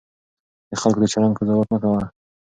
د خلکو د چلند قضاوت مه کوه.